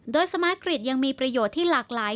โดยสมาร์ทกริจยังมีประโยชน์ที่หลากหลาย